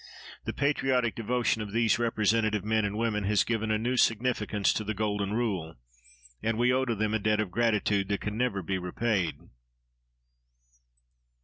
The patriotic devotion of these representative men and women has given a new significance to the Golden Rule, and we owe to them a debt of gratitude that can never be repaid.